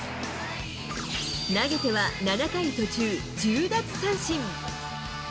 投げては７回途中、１０奪三振。